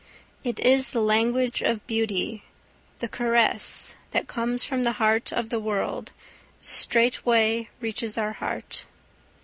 It is the language of beauty, the caress, that comes from the heart of the world straightway reaches our heart.